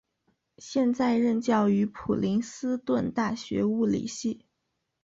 现在任教于普林斯顿大学物理系。